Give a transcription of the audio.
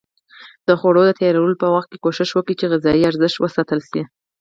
د خوړو د تیارولو په وخت کې کوښښ وکړئ چې غذایي ارزښت وساتل شي.